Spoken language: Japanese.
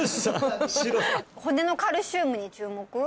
骨のカルシウムに注目？